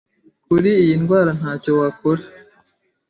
kuri iyi ndwara ntacyo wakora